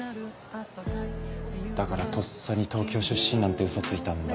だからとっさに東京出身なんて嘘ついたんだ。